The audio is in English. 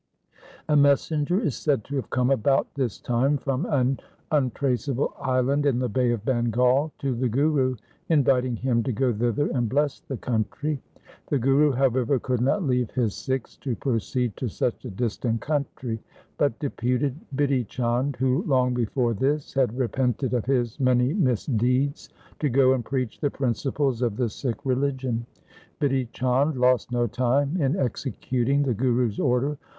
A messenger is said to have come about this time from an untraceable island in the Bay of Bengal to the Guru inviting him to go thither and bless the country. The Guru, however, could not leave his Sikhs to proceed to such a distant country, but deputed Bidhi Chand, who long before this had repented of his many misdeeds, to go and preach the principles of the Sikh religion. Bidhi Chand lost no time in executing the Guru's order.